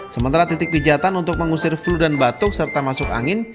sementara titik pijatan untuk mengusir flu dan batuk serta masuk angin